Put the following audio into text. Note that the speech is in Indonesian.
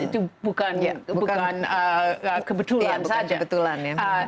itu bukan kebetulan saja